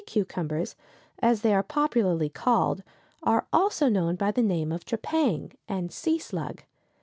] Sea cucumbers, as they are popularly called, are also known by the name of trepang and sea slug.